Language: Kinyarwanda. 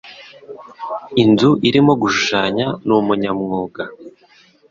Inzu irimo gushushanya numunyamwuga.